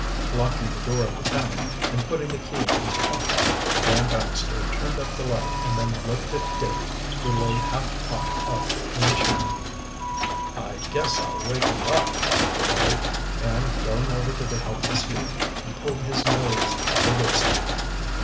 Locking the door of the cabin and putting the key in his pocket, Dan Baxter turned up the light and then looked at Dick, who lay half propped up in a chair. "I guess I'll wake him up," he muttered, and going over to the helpless youth he pulled his nose vigorously.